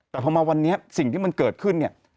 แต่พอมาวันนี้สิ่งที่มันเกิดขึ้นเนี่ย